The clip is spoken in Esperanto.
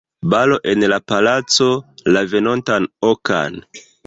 Balo en la palaco, la venontan okan.